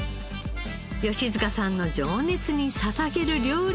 吉塚さんの情熱に捧げる料理を作ります。